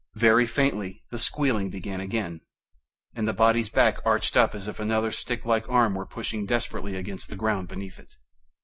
Very faintly, the squealing began again, and the body's back arched up as if another sticklike arm were pushing desperately against the ground beneath it.